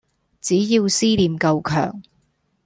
只要思念夠强